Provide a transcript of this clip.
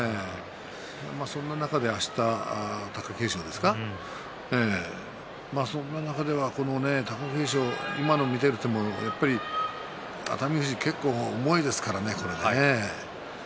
そんな中であした貴景勝ですかその中では貴景勝は今のを見ていても熱海富士、結構重いですからね。